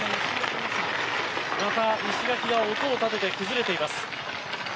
また石垣が音を立てて崩れています。